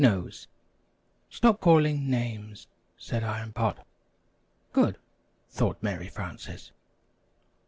"] "Pug Nose " "Stop calling names," said Iron Pot. ("Good!" thought Mary Frances.)